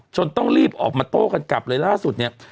ต้องรีบออกมาโต้กันกลับเลยล่าสุดเนี่ย